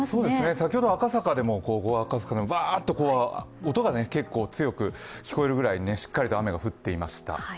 先ほど赤坂でもうわーっと音が結構強く聞こえるくらいしっかりと雨が降っていました。